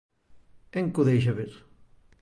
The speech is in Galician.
En que o deixa ver?